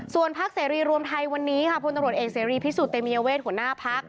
ส่วนพักเสรีรวมไทยวันนี้พลตรวจเองเสรีพิสูจน์เตมีเยาเวทย์หัวหน้าพัก